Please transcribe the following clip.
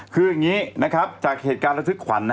คืออย่างนี้นะครับจากเหตุการณ์ระทึกขวัญ